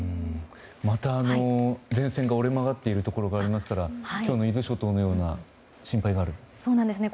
また前線が折れ曲がっているところがありますから今日の伊豆諸島のような心配があると。